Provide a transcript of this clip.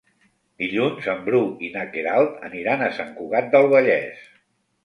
Dilluns en Bru i na Queralt aniran a Sant Cugat del Vallès.